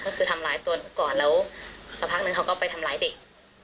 ก็คือทำร้ายตัวหนูก่อนแล้วสักพักนึงเขาก็ไปทำร้ายเด็ก